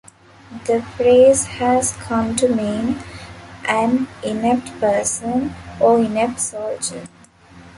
The phrase has come to mean "an inept person" or "inept soldier".